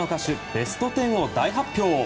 ベスト１０を大発表！